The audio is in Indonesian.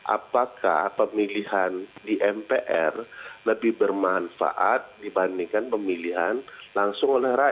apakah pemilihan di mpr lebih bermanfaat dibandingkan pemilihan langsung oleh rakyat